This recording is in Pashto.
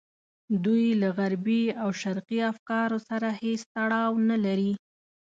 دوی له غربي او شرقي افکارو سره هېڅ تړاو نه لري.